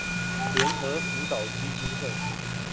聯合輔導基金會